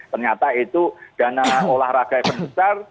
ternyata itu dana olahraga yang terbesar